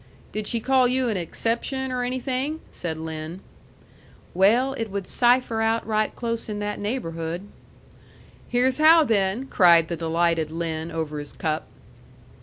"Did she call you an exception, or anything?" said Lin. "Well, it would cipher out right close in that neighborhood." "Here's how, then!" cried the delighted Lin, over his cup.